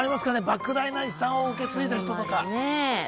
莫大な遺産を受け継いだ人とか。